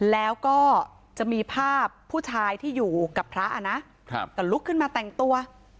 แล้วก็จะมีภาพผู้ชายที่อยู่กับพระอ่ะนะแต่ลุกขึ้นมาแต่งตัว